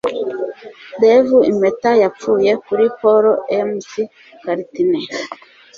Dave impeta yapfuye kuri Paul McCartney